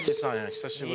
久しぶりだ。